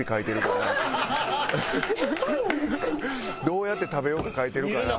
どうやって食べようか書いてるから。